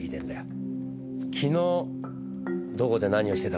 昨日どこで何をしてたか。